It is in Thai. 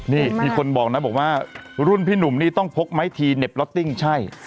นี่มีคนบอกนะบอกว่ารุ่นพี่หนุ่มนี่ต้องพกไม้ทีเหน็บล็อตติ้งใช่